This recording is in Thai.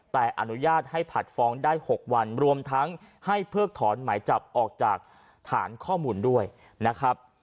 แต่อนุญาตให้ผัดฟ้องได้๖วันรวมทั้งให้เพิกถอนหมายจับออกจากฐานข้อมูลด้วยนะครับ